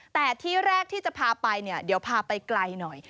แต่ที่แรกที่จะพาไปเนี่ยเดี๋ยวพาไปไกลหน่อย